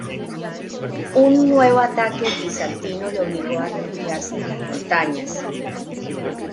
Un nuevo ataque bizantino le obligó a refugiarse en las montañas.